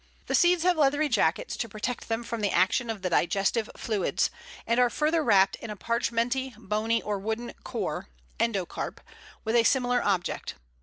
The seeds have leathery jackets to protect them from the action of the digestive fluids, and are further wrapped in a parchmenty, bony, or wooden "core" (endocarp) with a similar object.